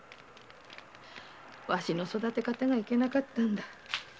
私の育て方がいけなかったんだ。